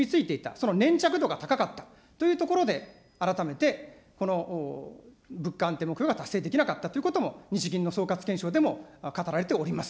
その粘着度が高かったというところで、改めてこの物価安定目標が達成できなかったということも、日銀の総括検証でも語られております。